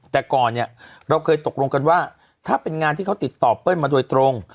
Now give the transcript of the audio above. แต่ก่อนเนี่ยเราเคยตกลงกันว่าถ้าเป็นงานที่เขาติดต่อเปิ้ลมาโดยตรง